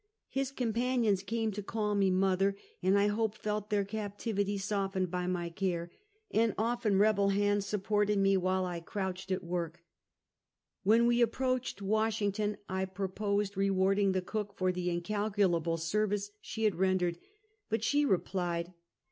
His companions came to call me " mother," and I hope felt their captivity softened by my care; and often rebel hands supported me while I crouched at work. When we approached Washington, I proposed re warding the cook for the incalculable service she had rendered, but she replied: Take Final Leave of Fredekicxsburg.